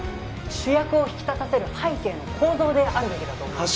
主役を引き立たせる背景の構造であるべきだと思います